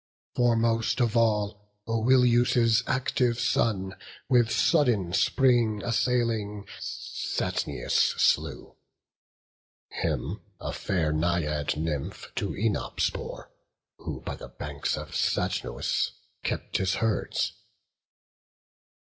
Foremost of all, Oileus' active son, With sudden spring assailing, Satnius slew: Him a fair Naiad nymph to Œnops bore, Who by the banks of Satnois kept his herds.